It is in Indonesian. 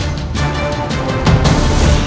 aku akan pergi ke istana yang lain